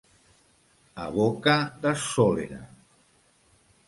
A boca de sól·lera.